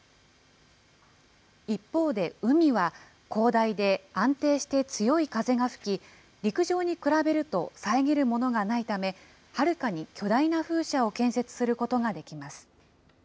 一方で、海は広大で安定して強い風が吹き、陸上に比べると遮るものがないため、はるかに巨大な風車を建設することができます。